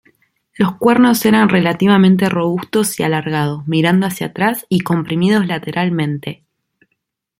Los cuernos eran relativamente robustos y alargados, mirando hacia atrás y comprimidos lateralmente.